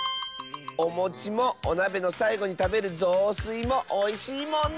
おもちもおなべのさいごにたべるぞうすいもおいしいもんね！